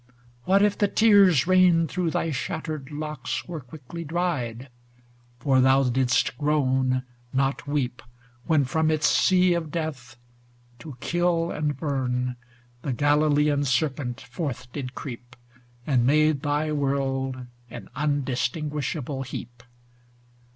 What if the tears rained through thy shattered locks Were quickly dried ? for thou didst groan, not weep, When from its sea of death, to kill and burn, The Galilean serpent forth did creep, And made thy world an undistinguishable heap.